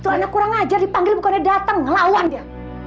itu anak kurang ajar dipanggil bukannya datang ngelawan dia